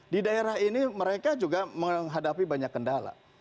di daerah ini mereka juga menghadapi banyak kendala